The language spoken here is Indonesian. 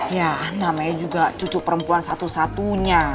ya namanya juga cucu perempuan satu satunya